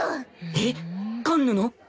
えっカンヌの？